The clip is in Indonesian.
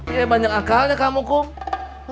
ya banyak akalnya kamu kum